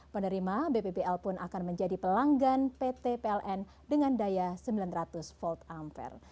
penerima bpbl pun akan menjadi pelanggan pt pln dengan daya sembilan ratus volt ampere